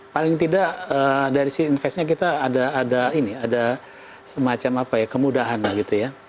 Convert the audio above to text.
paling tidak dari investnya kita ada semacam apa ya kemudahan lah gitu ya